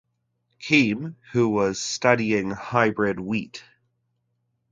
Keim, who was studying hybrid wheat.